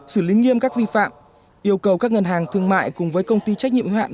xử lý nghiêm các vi phạm yêu cầu các ngân hàng thương mại cùng với công ty trách nhiệm hoạn